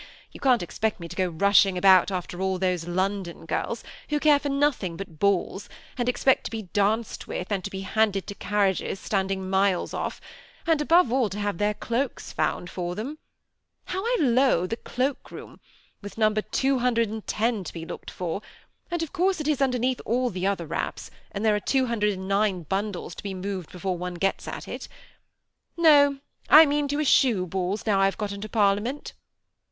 you can't expect me to go rushing about after all those London girls who care for nothing but balls and expect to be danced with, and to be handed to carriages standing miles off; and, above all, to have their cloaks found for them. How I loathe a cloak room, with No. 210 to be looked for, and of course it is underneath all the other wraps, and there are 209 bundles to be moved before one gets at it. No, I mean to eschew balls now I have got into Parlia ment."